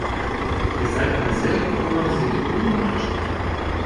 Ihr seid eine sehr gut organisierte Wohngemeinschaft.